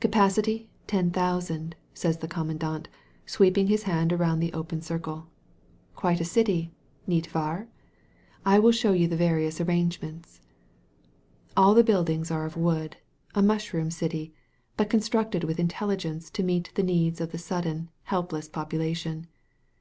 "Capacity, ten thousand," says the commandant^ sweeping his hand around the open circle, "quite a city, niet waarf I will show yoi^ the various ar rangements.'* All the buildings are of wood, a mushroom city, but constructed with intelligence to meet the needs of the sudden, helpless population.